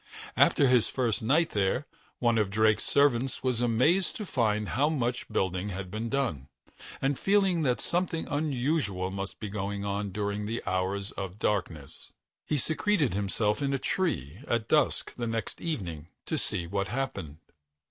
After his first night there, one of Drake's servants was amazed to find how much building had been done, and, feeling that something unusual must be going on during the hours of darkness, he secreted himself in a tree at dusk the next evening to see what happened.